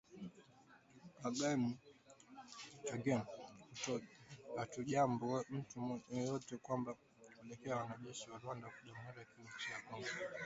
Kagame: Hatujaomba mtu yeyote kwamba tupeleke wanajeshi wa Rwanda Jamuhuri ya Kidemokrasia ya Kongo